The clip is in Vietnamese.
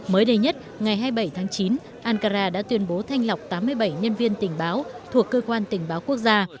mới đây nhất ngày hai mươi bảy tháng chín ankara đã tuyên bố thanh lọc tám mươi bảy nhân viên tình báo thuộc cơ quan tình báo quốc gia